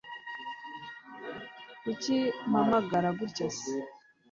kuki mpagarara gutya se